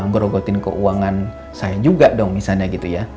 ngerogotin keuangan saya juga dong misalnya gitu ya